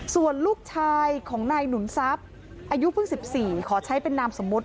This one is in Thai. ส่วนลูกชายของนายหนุนทรัพย์อายุเพิ่ง๑๔ขอใช้เป็นนามสมมุติ